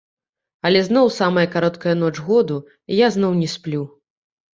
Але зноў самая кароткая ноч году, і я зноў не сплю.